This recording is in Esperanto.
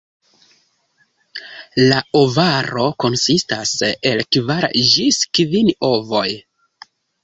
La ovaro konsistas el kvar ĝis kvin ovoj.